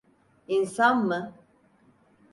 İnsan mı?